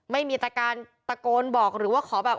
ไม่มีตาการปรากฎบอกหรือขอแบบ